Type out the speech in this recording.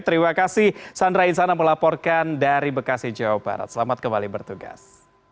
terima kasih sandra insana melaporkan dari bekasi jawa barat selamat kembali bertugas